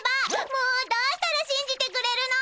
もうどうしたらしんじてくれるの？